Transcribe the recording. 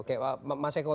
oke oke mas eko terakhir